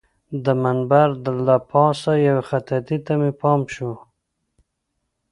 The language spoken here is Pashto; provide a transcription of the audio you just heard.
د منبر له پاسه یوې خطاطۍ ته مې پام شو.